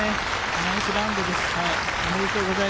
ナイスラウンドです。